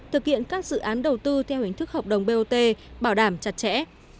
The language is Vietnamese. thực hiện các dự án đầu tư theo hình thức hợp đồng bot bảo đảm chặt chẽ